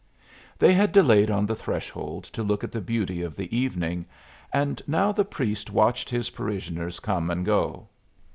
They had delayed on the threshold to look at the beauty of the evening, and now the priest watched his parishioners come and go.